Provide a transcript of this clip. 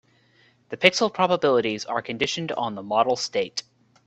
The pixel probabilities are conditioned on the model state.